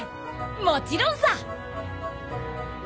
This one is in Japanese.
もちろんさ！